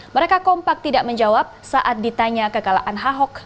mereka kompak tidak menjawab saat ditanya kekalaan hhok